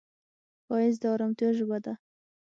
ښایست د ارامتیا ژبه ده